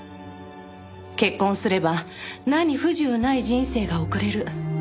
結婚すれば何不自由ない人生が送れる。